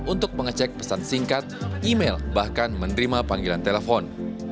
untuk mengecek pesan singkat email bahkan menerima panggilan telepon